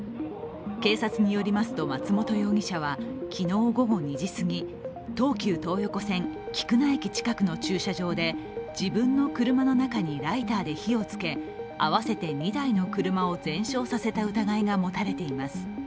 警察によりますと、松本容疑者は昨日午後２時過ぎ、東急東横線・菊名駅近くの駐車場で自分の車の中にライターで火をつけ合わせて２台の車を全焼させた疑いが持たれています。